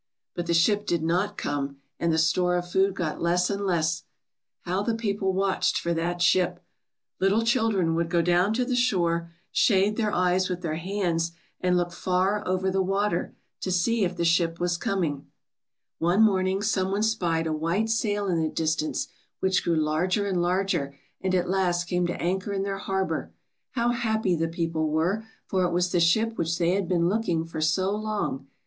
"But the ship did not come, and the store of food got less and less. "How the people watched for that ship! Little children would go down to the shore, shade their eyes with their hands and look far over the water, to see if the ship was coming. The children looked out over the water to see if the ship was coming. GRANDMA'S THANKSGIVING STORY. 77 '^One morning some one spied a white sail in the distance, which grew larger and larger, and at last came to anchor in their harbor. How happy the people were, for it was the ship which they had been looking for so long.